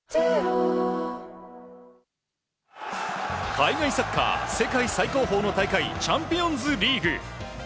海外サッカー世界最高峰の大会チャンピオンズリーグ。